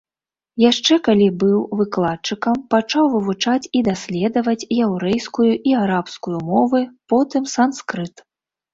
Яшчэ калі быў выкладчыкам, пачаў вывучаць і даследаваць яўрэйскую і арабскую мовы, потым санскрыт.